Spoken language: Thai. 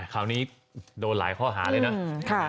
คราวนี้โดนหลายข้อหา